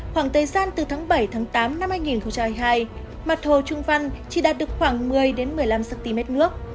khoảng thời gian từ tháng bảy tám năm hai nghìn hai mặt hồ trung văn chỉ đạt được khoảng một mươi một mươi năm cm nước